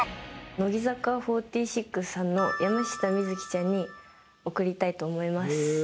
乃木坂４６さんの山下美月ちゃんに送りたいと思います。